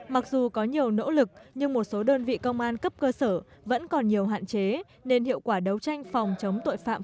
mặc dù có nhiều nỗ lực nhưng một số đơn vị công an cấp cơ sở vẫn còn nhiều hạn chế nên hiệu quả đấu tranh phòng chống tội phạm